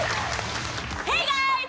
ヘイガイズ。